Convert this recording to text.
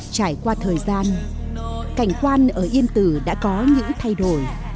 trải qua thời gian cảnh quan ở yên tử đã có những thay đổi